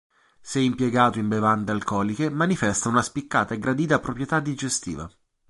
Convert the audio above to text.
Se impiegato in bevande alcoliche manifesta una spiccata e gradita proprietà digestiva.